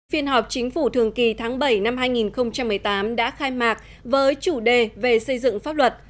phiên họp chính phủ thường kỳ tháng bảy năm hai nghìn một mươi tám đã khai mạc với chủ đề về xây dựng pháp luật